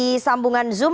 ada di sambungan zoom